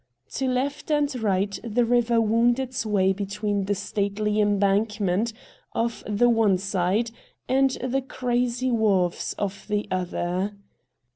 To left and right the river wound its way between the stately embankment of the one side and the crazy wharves of the other.